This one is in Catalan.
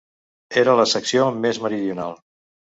Era la secció més meridional.